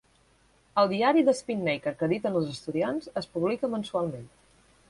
El diari "The Spinnaker" que editen els estudiants es publica mensualment.